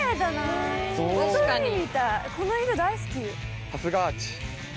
この色大好き。